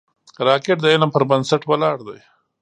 راکټ د علم پر بنسټ ولاړ دی